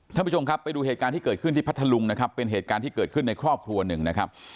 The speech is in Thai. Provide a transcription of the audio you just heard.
ท่านผู้ชมครับไปดูเหตุการณ์ที่เกิดขึ้นที่พัทธลุงนะครับเป็นเหตุการณ์ที่เกิดขึ้นในครอบครัวหนึ่งนะครับ